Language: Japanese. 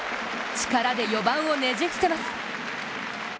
力で４番をねじ伏せます。